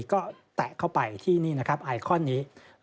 ก็แตะเข้าไปที่นี่นะครับไอคอนนี้